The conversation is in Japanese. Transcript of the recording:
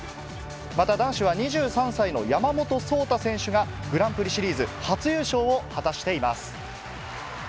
また男子は２３歳の山本草太選手が、グランプリシリーズ初優勝を果たしています。